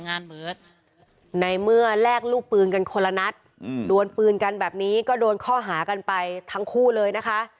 เบิร์ตในเมื่อแลกลูกปืนกันคนละนัดดวนปืนกันแบบนี้ก็โดนข้อหากันไปทั้งคู่เลยนะคะ